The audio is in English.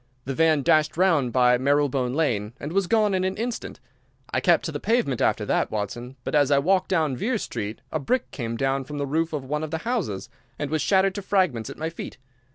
The van dashed round by Marylebone Lane and was gone in an instant. I kept to the pavement after that, Watson, but as I walked down Vere Street a brick came down from the roof of one of the houses, and was shattered to fragments at my feet.